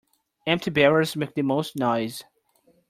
Empty barrels make the most noise.